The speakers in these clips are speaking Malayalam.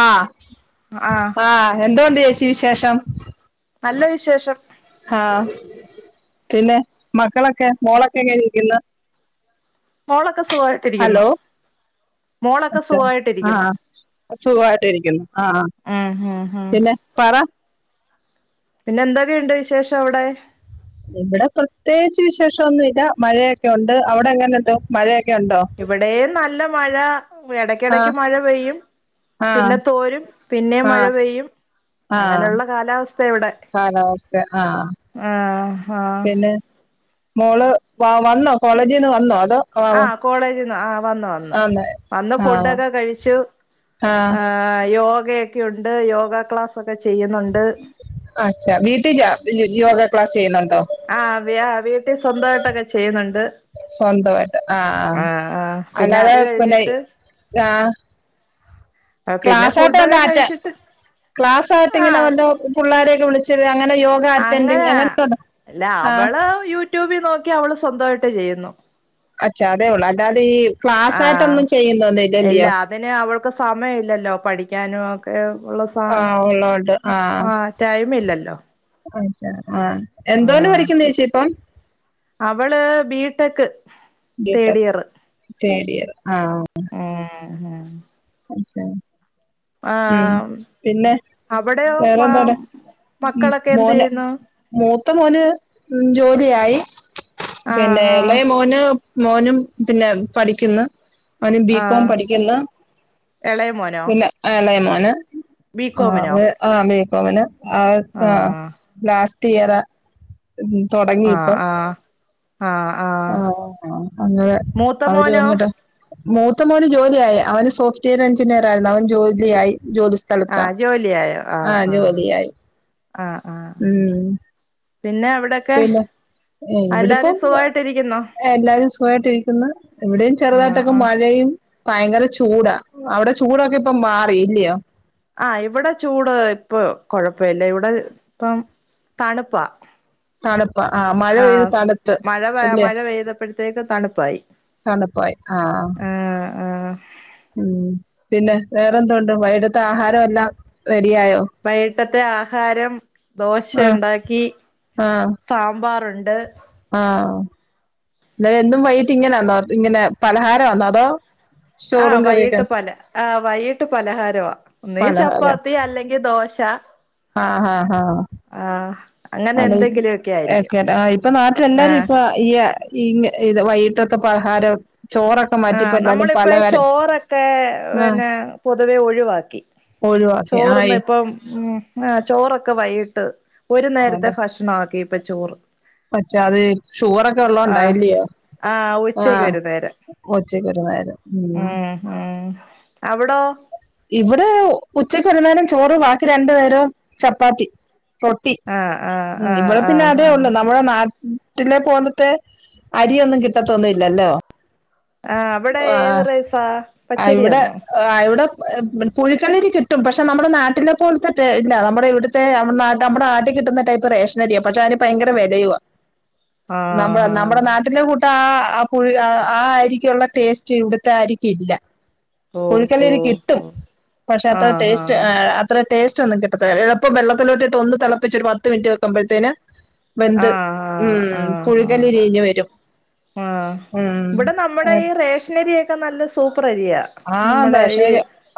ആ ആഹ് ആ എന്തോൊണ്ട് ചേച്ചി വിശേഷം നല്ല വിശേഷം ആ പിന്നെ മക്കളൊക്കെ മോളൊക്കെ എങ്ങനേ ഇരിക്കുന്നു മോളൊക്കെ സുഖായിട്ടിരിക്കുന്നു ഒച്ചാ ആ ആ അ സുഖായിട്ട് ഇരിക്കുന്നു ആഹ് ഹാ ഉം ഉം ഉം പിന്നെ പറ പിന്നന്തൊകെണ്ട് വിശേഷവ്ടെ? ഇവിടെ പ്രത്യേകിച്ച് വിശേഷൊന്നുല്ല്യാ മഴയൊക്കെ ഉണ്ട് അവിടെ എങ്ങനെ ഉണ്ടോ മഴയൊക്കെ ഉണ്ടോ ഇവിടേ നല്ല മഴ എടക്കെടക്ക് ആഹ് മഴ പെയ്യും ആഹ് പിന്നെ തോരും പിന്നേം മഴ ആഹ് പെയ്യും ആഹ് അങ്ങനെ ഉള്ള കാലാവസ്ഥ്യാ ഇവ്ടെ കാലാവസ്ഥ ആഹ് ആഹ് ആഹ് പിന്നെ മോള് വ വന്നോ കോളേജിന്ന് വന്നോ അതോ ആ കോളേജിന്ന് ആ വന്നു വന്നു ആന്നേ വന്ന് ആഹ് ഫുഡോക്കെ കയ്ച്ചു ആഹ് യോഗ ക്കെയുണ്ട് യോഗ ക്ലാസ്സൊക്കെ ചെയ്യുന്നുണ്ട് അ വീട്ടി യോഗ ക്ലാസ് ചെയ്യുന്നുണ്ടോ ആ വ വീട്ടി സ്വന്തായിട്ടൊക്കെ ചെയ്യുന്നുണ്ട് ആ ആ പിന്നെ അല്ലാതെ അത് പിന്നെ കഴിഞ്ഞിട്ട് പിന്നെ ക്ലാസ് ആയിട്ട് വല്ല ഫുഡൊക്കെ ആറ്റ കഴിച്ചിട്ട് ക്ലാസ്സ ആയിട്ട് ഇങ്ങനെ ആഹ് വല്ലോ പിള്ളോരെയൊക്കെ വിളിച്ച അങ്ങനെ യോഗ അറ്റൻഡിങ് അങ്ങനെയ അങ്ങനെ അല്ല ആ അവള് യൂട്യൂബിൽ നോക്കി അവള് സ്വന്തവായിട്ട് ചെയ്യുന്നു അച്ഛാ അതേ ഉള്ളൂ അല്ലാതെ ഈ ക്ലാസ് ആഹ് ആയിട്ടൊന്നും ചെയ്യുന്നോന്ന് ഇല്ല ഇല്ലലിയോ അതിന് അവൾക്ക് സമയല്ലല്ലോ പഠിക്കാനും ഒക്കെ ഉള്ള സ ആ ഉള്ളോണ്ട് ആ ടൈം ഇല്ലല്ലോ അ ആ എന്തോന്ന് ആഹ് പഠിക്കുന്ന ചേച്ചി ഇപ്പം അവള് ബീടെക്ക് ബിടെക് തേടിയർ ആഹ് ഉം [unintelligible] ഉം ആഹ് പിന്നെ അവിടെയോ ആ വേറെന്താണ് മക്കളൊക്കെ മോന് എന്ത്യ്യുന്നു മൂത്ത മോന് ജോലിയായി ആഹ് ആഹ് പിന്നെളയ മോന് മോനും പിന്നെ പഠിക്കുന്നു അവന് ബികോം പഠിക്കുന്ന എളയമോൻ പിന്നെ ആ എളയമോന് ആ ബികോമിനോ ആ ബീകോമിന് ആഹ് ആഹ് ലാസ്റ്റ് ഇയറ ഉം ആഹ് തുടങ്ങിപ്പൊ ആഹ് ആഹ് അങ്ങെ മൂത്ത അവര് മോനോ പറഞ്ഞിട്ട് മൂത്ത മോന് ജോലിയായി അവന് സോഫ്റ്റ്വെയർ എഞ്ചിനീയർ ആയിരുന്നു അവൻ ജോലിയായി ജോ ആ ജോലിയ ആയോ ആഹ് ആഹ് ആഹ് ആഹ് ഉം പിന്നെ അവിടെക്കെ ഇവിടെപ്പം എല്ലരും സുഖമായിട്ട് രിക്കുന്ന ഇവിടെയും ആഹ് ചെറുതായിട്ടൊക്കെ ആഹ് മഴയും ഭയങ്കര ചൂടാ അവിടെ ചൂടൊക്കെ ഇപ്പ മാറിലിയോ ആഹ് ഇവിടെ ചൂട് ഇപ്പൊ കൊഴപ്പല്ല ഇവിടെ ഇപ്പം തണുപ്പാ തണുപ്പ ആ മഴ പെയ്ത് ആഹ് തണുത്ത് മഴ ഇല്ലേ മഴ പെയ്തപ്പോഴത്തേക്ക് തണുപ്പായി തണുപ്പായി ആഹ് ആഹ് ആഹ് ഉം പിന്നെ വേറെന്ത ഉണ്ട് വൈടത്തെ ആഹാരം എല്ലാം റെഡിയായോ വൈട്ടത്തെ ആഹാരം ദോശ ആ ഉണ്ടാക്കി സാമ്പാറുണ്ട് ആഹ് പിന്നെ എന്തും വൈകട്ട് ഇങ്ങനെന്നോ ഇങ്ങനെ പലഹാരം വന്നോ അതോ ആഹ് ചോറും കറിയൊക്കെ വൈകിട്ട് പല ആഹ് വൈകിട്ട് പലഹാരമ നീ ചപ്പാത്തി അല്ലെങ്കി ദോശ. ആഹ് ഹ ഹ ആഹ് അങ്ങനെ അതെ എന്തെങ്കിലുവൊക്കെ ആയിരിക്കും ക്കെടാ ഇപ്പൊ നാട്ടില് എല്ലാരും ആഹ് ഇപ്പ ഈ ഇ ഇത് വൈകിട്ടത്തെ പലഹാരം ചോറൊക്കെ മാറ്റിപ്പോ ആഹ് എല്ലാരും നമ്മളിപ്പ പലഹാരം ചോറൊക്കെ ആ പിന്നെ പൊതുവെ ഒഴിവാക്കി ഒഴിവാക്കി ചോറ്ന്ന് ആയി ഇപ്പം ഉം ആഹ് ചോറൊക്കെ വൈകിട്ട് ഒരു നേരത്തെ ഭക്ഷണക്കി ഇപ്പൊ ചോറ് പച്ച അത് ഷുഗറൊക്കെ ആഹ് ഉള്ളോണ്ടയില്ലയോ ആഹ് ഉച്ചക്ക് ആഹ് ഉച്ചക്കൊരു നേരം ഉം ഏഹ് എഹ് അവിടോ ഇവിടെ ഉച്ചക്ക് ഒരു ന്നേരം ചോറ് ബാക്കി രണ്ടു നേരം ചപ്പാത്തി റൊട്ടി ആഹ് ആഹ് ഉം ആഹ് ഇവിടെ പിന്നെ ആഹ് അതേ ആഹ് ഉള്ളൂ നാം നമ്മുടെ നാട്ടിലെ പോലത്തെ അരിയൊന്നും കിട്ടത്തൊന്നുംല്ലല്ലേ ആഹ് അവിടെ ഏത് റൈസാ പച്ചരിയാന്നോ. ആഹ് ഇവിടെ പുഴുക്കല്ലിരി കിട്ടും പക്ഷെ നമ്മുടെ നാട്ടിലെ പോലത്തെ ടേ ഇല്ല നമ്മുടെ ഇവി മ്മ ന നമ്മുടെ ആട്ടി കിട്ടുന്ന ടൈപ്പ് റേഷനരിയ പക്ഷെ അതിന് ഭയങ്കര വെലയുവ നമ്മ ആഹ് ആഹ് നമ്മുടെ നാട്ടിലെ കൂട്ട ആഹ് ആഹ് പുഴ ആഹ് അരിക്കുള്ള ടേസ്റ്റ് ഇവിടുത്തെ അരിക്ക് ഇല്ല. ഓഹോ കുഴിക്കല്ലരി കിട്ടും ഹോ പക്ഷെ അത്ര ആഹാ ടേസ്റ്റ് ഏഹ് അത്ര ടേസ്റ്റ് ഒന്നും കിട്ടത്തില്ല എളുപ്പം വെള്ളത്തിലോട്ടിട്ട് ഒന്ന് തിളപ്പിച്ച ഒരു പത്ത് മിറ്റ് വെക്കുമ്പോഴത്തേന്. വെന്ത് ആഹാ ഉം ആഹാ പുഴുകലരി ഇഞ്ഞ് വരും. ആഹ് ഉം ഇവിടെ നമ്മടെ ഈ റേഷനരിയൊക്കെ നല്ല സൂപ്പർ അരിയ. ആ നമ്മുടെ ദശ ഈ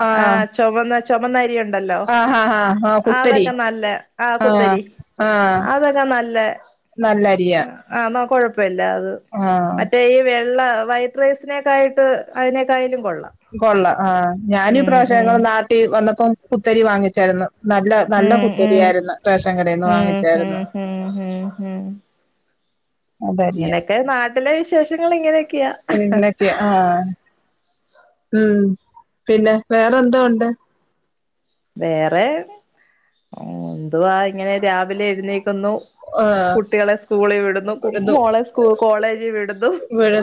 ആ ആഹ് ചുവന്ന ചുവന്നരിയു ണ്ടല്ലോ ആ ഹാ ഹാ ആ കുത്തരി അതന്നെ നല്ല ആഹ് കുത്തരി. അതൊക്കെ നല്ല. നല്ലരിയ. ആഹ് ന്ന കൊഴപ്പല്ല അത്. മറ്റേ ഈ വെള്ള വൈറ്റ് റൈസിനേക്കായിട്ട് അതിനേക്കായും കൊള്ളാം. കൊള്ള ആഹ് ഞാനും ഈ ഉം ഉം പ്രാവശ്യനങ്ങൾ നാട്ടി വന്നപ്പോം കുത്തരി വാങ്ങിച്ചായിരുന്നു നല്ല. നല്ല ഉം ഉം കുത്തരിയായിരുന്നു റേഷൻ കടേന് ഉം വാങ്ങിച്ചായിരുന്നു. ഉം ഉം ഉം ഉം അതരിയ ഇങ്ങനെയൊക്കെ നാട്ടിലെ വിശേഷങ്ങൾ ഇങ്ങനെയൊക്കെയാ. എങ്ങനെക്കെ ആഹ് ഉം പിന്നെ വേറെന്തോ ഉണ്ട്? വേറെ ന്തുവാ ഇങ്ങനെ രാവിലെ എഴുന്നേക്കുന്നു. ആഹ് കുട്ടികളെ സ്കൂളിൽ വിടുന്നു ഉഴുന്നു മോളെ സ്കൂ കോളേജിൽ വിടുന്നു.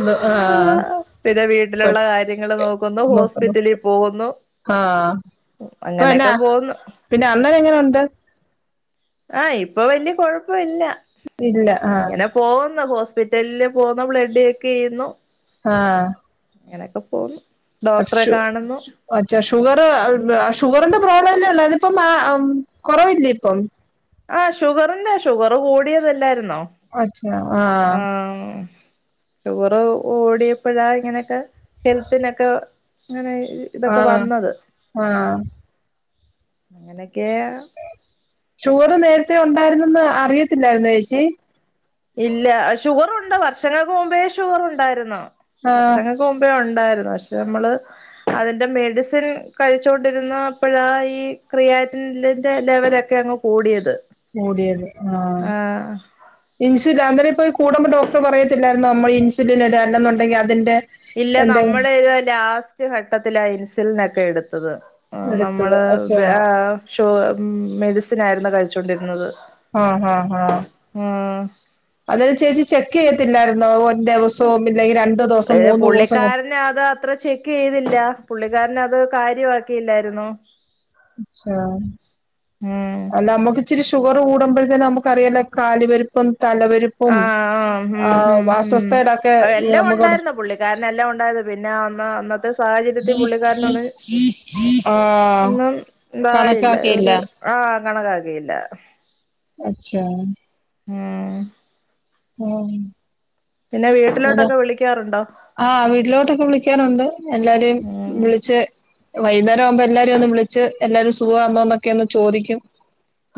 ആഹ് പിന്നെ വീട്ടിലുള്ള കാര്യങ്ങൾ നോക്കുന്നു ഹോസ്പിറ്റലി പോകുന്നു. ആഹ് ഇപ്പ എന്നെ അങ്ങനെയൊക്കെ പോകുന്നു പിന്നെ അണ്ണനെങ്ങനെയുണ്ട്? ആഹ് ഇപ്പൊ വലിയ കൊഴപ്പയില്ല ഇല്ല ആഹ് അങ്ങനെ പോകുന്ന ഹോസ്പിറ്റലില് പോകുന്ന ബ്ലഡ് ചെക്കയ്യുന്നു. ആഹ്. അങ്ങനെക്കെ പോന്നു ഡോക്ടറെ ഷു കാണുന്നു. മറ്റേ ഷുഗർ ഷുഗറിന്റെ പ്രോബ്ലം അല്ലേ ഇള്ളത് അതിപ്പ കുറവില്ലേ ഇപ്പം. ആഹ് ഷുഗറിന്റെ ഷുഗർ കൂടിയതല്ലായിരുന്നോ. ആഹ് അതുപോലെ ഓടിയപ്പോഴാ ഇങ്ങനെയൊക്കെ ഹെൽത്തിനൊക്കെ ഇങ്ങനെ. ഇതൊക്കെ ആഹ് വന്നത് ആഹ് അങ്ങനെക്കേ ചോറ് നേരത്തിന് ഉണ്ടായിരുന്നെന്ന് അറിയത്തില്ലായിരുന്നോ ചേച്ചി ഇല്ല ഷുഗറുണ്ട്. വർഷങ്ങൾക്ക് മുമ്പേ ഷുഗറുണ്ടായിരുന്നു. ആഹ് വർഷങ്ങ ക്കു മുമ്പേ ഉണ്ടായിരുന്നു. പക്ഷെ നമ്മള്. അതിന്റെ മെഡിസിൻ കഴിച്ചോണ്ടിരുന്നാ അപ്പഴാ ഈ ക്രിയാറ്റിലിന്റെ ലെവലൊക്കെ അങ്ങ് കൂടിയത്. കൂടിയത് ആഹ്. ഇൻസുലി അന്നേരിപ്പോ കൂടുമ്പോ ഡോക്ടർ പറയത്തില്ലായിരുന്നോ അമ്മൾ ഇൻസുലൻ ഇട് അല്ലെന്നുണ്ടെങ്കിൽ അതിന്റെ ഇല്ല എന്തെ നമ്മള് ഇത് ലാസ്റ്റ് ഘട്ടത്തിലാ ഇൻസുലിൻ ഒക്കെ എടുത്തത്. ആഹ് എടുത്തത് നമ്മള് അച്ഛാ ബേ ആ ഷു മെഡിസിന് ആയിരുന്നു കഴിച്ചോണ്ടിരുന്നത്. ആഹ് ആഹ് ആഹ് ഉം അതായത് ചേച്ചി ചെക്ക് ചെയ്യത്തില്ലായിരുന്നോ ഒൻ ദിവസവും ഇല്ലെങ്കിൽ രൺ ഇത് പുള്ളിക്കാരന് അത് അത്ര ചെ ക്ക് ചെയ്തില്ല. പുള്ളിക്കാരന് അത് കാര്യമാക്കിയില്ലായിരുന്നു. ഷാമ് ഉം അല്ല അമ്മക്ക് ഇച്ചിരി ഷുഗർ കൂടുമ്പോഴ്തന്നെ നമുക്ക് അറിയാല്ലോ കാല് പെരിപ്പും തലപെരു ആഹ് ആഹ് ഹും ഹും ഹും അസ്വസ്ഥതയുടെയൊക്കെ അത് എല്ലാം നമുക്ക് ഉണ്ടായിരുന്നോ പുള്ളിക് ക്കാരന്. എല്ലാം ഉണ്ടായത് പിന്നെ അന്ന് അന്നത്തെ സാഹചര്യത്തിൽ പുള്ളിക്കാരനൊന്നും ആഹ് ഒന്നും ഉണ്ടായില്ല കണക്കാക്കിയില്ല ഒരു ആഹ് കണക്കാക്കിയില്ല അച്യോ ആഹ് ഉം പിന്നെ വീട്ടിലോട്ടൊക്കെ വിളിക്കാറുണ്ടോ? ആഹ് വീട്ടിലോട്ടൊക്കെ വിളിക്കാറുണ്ട്. എല്ലാരേം ഉം വിളിച്ച് വൈന്നേരം ആവുമ്പേൾ എല്ലാരും ഒന്ന് വിളിച്ച് എല്ലാരും സുഖാന്നോ എന്നൊക്കെ ഒന്ന് ചോദിക്കും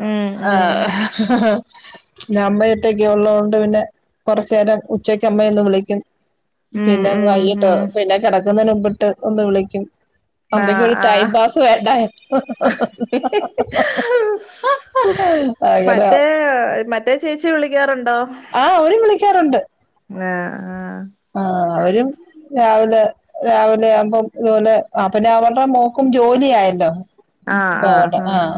ഉം ഉം ആഹ് ന്ന അമ്മ ഒറ്റയ്ക് ഉള്ളോണ്ട് പിന്നെ കുറച്ച് നേരം ഉച്ചക്ക് അമ്മയെ ഒന്ന് വിളിക്കും ഉം പിന്നെ ഉം വൈകീട്ടോ ഉം പിന്നെ കിടക്കുന്നതിന് മുമ്പിട്ട് ഒന്ന് വിളിക്കും അമ്മയ്ക്കും ആഹ് ഒരു ടൈം ആഹ് പാസു വേണ്ടായോ അങ്ങനെ മറ്റേ മറ്റേ ചേച്ചി വിളിക്കാറുണ്ടോ? ആഹ് ഓരും വിളിക്കാറുണ്ട് ആഹ് ആഹ് ആഹ് അവരും രാവിലെ രാവിലെ ആവുമ്പം ഇതുപോലെ ആ പിന്നെ അവരുടെ മോക്കും ജോലി ആയല്ലോ തവണ ആഹ്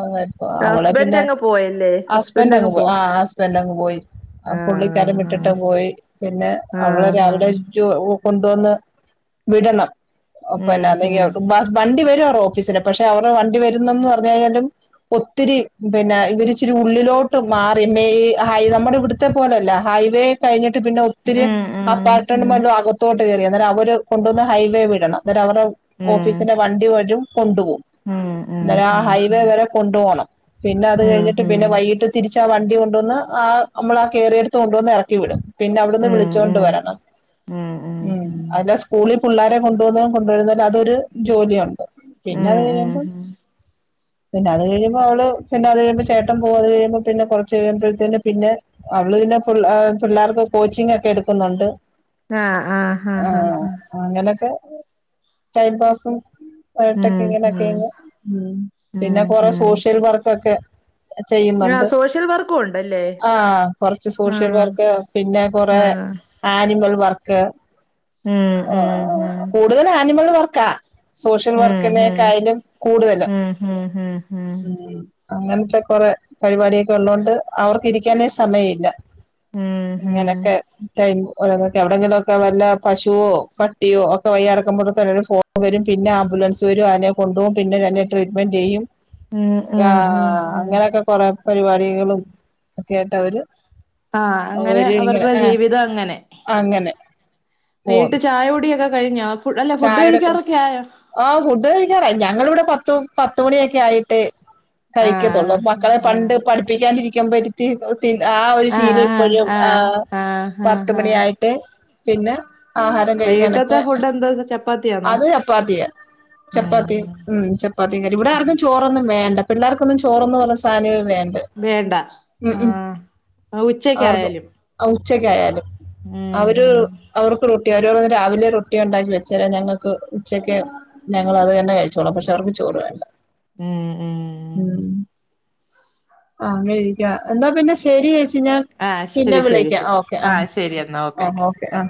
അവെപ്പോ അവളെ ഹസ്ബൻഡ് പിന്നെ അങ്ങ് പോയല്ലേ ഹസ് ഹസ്ബൻഡ് അങ്ങ് ഹസ്ബെന്റങ്ങു പോ പോയി ആഹ് ഹസ്ബൻ്റ് അങ്ങ് പോയി. അപ് പുള്ളിക്കാരൻ വിട്ടിട്ട് ആഹ് പോയി പിന്നെ അവളെന്നെ ആഹ് ആഹ് ആഹ് അവിടെച്ചു കൊണ്ടുവന്ന് വിടണം ഉം അപ്പന്നാ നെയ്യാ വ വണ്ടി വരും അവരെ ഓഫീസിലെ പക്ഷെ അവരെ വണ്ടി വരുന്നന്ന് പറഞ്ഞു ആയാലും ഒത്തിരി പിന്നെ ഇവരി ഇച്ചിരി ഉള്ളിലോട്ട് മാറി മെയ് ഹൈ നമ്മുടെ ഇവിടുത്തെ പോലെയല്ല ഹൈവേ കഴിഞ്ഞിട്ട് പിന്നെ ഒ ഒത്തിരി ഉം ഉം അപ്പാർട്ട്മെന്റ് മല്ലോ അകത്തോട്ട് കേറി അന്നേരം അവര് കൊണ്ടുവന്ന് ഹൈവേ വിടണം അന്നേരം അവരെ ഓഫീസിനെ വണ്ടി വരും കൊണ്ടു പോകും ഉം ഉം ഉം ഉം ഉം ഉം ഉം ഉം ഉം ഉം അന്നരം ആ ഉം ഹൈവേ വരെ കൊണ്ടു പോണം പിന്നെ അത് കഴിഞ്ഞിട്ട് പിന്നെ വൈകിട്ട് തിരിച്ച് ആ വണ്ടി കൊണ്ടുവന്ന് ആ നമ്മൾ ആ കേറിയെടുത്ത് കൊണ്ടുവന്ന് ഇറക്കി വിടും. പിൻ വിളിച്ചോണ്ട് വരണം ഉം അവൻ്റെ സ്‌കൂളി പുള്ളോരെ കൊണ്ടുപോന്നതും കൊണ്ട് വരുന്നതും അതൊരു ജോലിയുണ്ട്. ഉം പിന്നത് ഉം കഴിയുമ്പം ഉം പിന്നെ അത് കഴുമ്പോൾ അവള് പിന്നെ അത് കഴുമ്പോ ചേട്ടൻ പോകും അത് കഴിയുമ്പോ പിന്നെ കുറച്ച് കഴിയുമ്പഴത്തേന് പിന്നെ അവള് പിന്നെ പുൾ പിള്ളേർക്ക് കോച്ചിങ് ഒക്കെ എടുക്കുന്നുണ്ട് ആഹ് ആഹ് ഹാ ആ ഹാ ഹാ അങ്ങനൊക്കെ ടൈം പാസും ആയിട്ടൊക്കെ ഉം ഇങ്ങനെ ഉം കഴിയുന്നു പിന്നെ ഉം കൊറേ ഉം സോഷ്യൽ വർക്കൊക്കെ ആ ചെയ്യുന്നുണ്ട് സോഷ്യൽ വർക്കും ഉണ്ടല്ലേ ആ കൊറച്ച് ആ സോഷ്യൽ വർക്ക് പിന്നെ ആ കൊറേ ആനിമൽ വർക്ക് ഉം ഉം ഉം കൂടുതൽ ആനിമൽ വർക്കാ സോഷ്യൽ ഉം ഉം വർക്കിനേക്കായലും കൂടുതലാ ഉം ഉം ഉം ഉം അങ്ങനത്തെ കൊറെ പരിപാടിയൊക്കെ ഉള്ളതുകൊണ്ട് അവർക്ക് ഇരിക്കാനേ സമയം ഇല്ല ഉം ഉം ഇങ്ങനൊക്കെ ടൈം എവിടെങ്കിലൊക്കെ വല്ല പശുവോ പട്ടിയോ ഒക്കെ വയ്യറക്കുമ്പോഴത്തെ [inaudible] വരും പിന്നെ ആംബുലൻസ് വരും അതിനെ കൊണ്ടുപോകും പിന്നെ തന്നെ ട്രീറ്റ്മെന്റ് ചെയ്യും ഉം ഉം ഉം ആഹ ഉം അങ്ങനെയൊക്കെ കൊറെ പരിപാടികളും ഒക്കെ ആയിട്ട് അവര് ആ അങ്ങനെ ഒരു ഇങ്ങനെ അവരുടെ ആഹ് ജീവിതം അങ്ങനെ അങ്ങനെ വീട്ട് പോകുന്നു ചായ കുടിയൊക്കെ കഴിഞ്ഞ അല്ല ഫുഡ് കഴിക്കാറൊക്കെ ആയോ ആ ഫുഡ് കഴിക്കാറായി ഞങ്ങളിവിടെ പത്തു പത്തുമണിയൊക്കെ ആയിട്ട് ആ കഴിക്കത്തുള്ളൂ മക്കളെ ആ പണ്ട് പഠിപ്പിക്കാണ്ടിരിക്കുമ്പരുത്തി പി ആ ഒരു ശീലം ഇപ്പോഴും ആ ആ ആ ആ പത്തുമണിയ ആായിട്ട് പിന്നെ ആഹാരം കഴിക്കാനൊക്കെ ഉ ദന്താത്ചാപ്പാ ത്യ അത് ചപ്പാത്തിയ ചപ്പാത്തി ഉ ചപ്പാത്തി കറി ഇവിടെും ചോ റൊന്നും വേണ്ട പിള്ളർക്കൊും ചോറന്നന്ന് പറഞ്ഞ സാധനമേ വേണ്ട വേണ്ട ഉം ഉം ആ അവർക്ക് ഉച്ചക്കായാലും ഉച്ചക്കായാലും ഉം അവര് ഉം അവർക്ക് ൊട്ടി അവരോന്ന് രാവിലെ റൊട്ടി കുട്ടി ഉണ്ടാക്കി വെച്ചേരാ ഞങ്ങൾക്ക് ഉച്ചക്ക് ഞങ്ങൾ അത് തന്നെ കഴിച്ചോളാം പക്ഷെ അവർക്ക് ചോറ് വേണ്ട ഉം ഉ ഉം ഉ ആ അങ്ങനെ ഇരിക്ക എന്താ പിന്നെ ശരി ചേച്ചിഞ്ഞാൻ ആഹ് പിന്നെ ശരി ശരി വിളക്ക ശരി ഓക്കെ ആഹ ആഹ് ശരി എന്നാ ആ ഓക്കെ ആഹ